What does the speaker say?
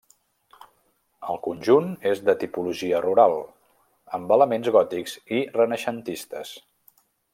El conjunt és de tipologia rural, amb elements gòtics i renaixentistes.